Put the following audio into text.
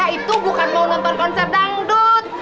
itu bukan mau nonton konser dangdut